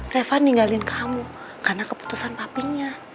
reva ninggalin kamu karena keputusan papingnya